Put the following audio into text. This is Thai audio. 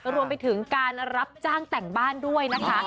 รวมไปถึงการรับจ้างแต่งบ้านด้วยนะคะ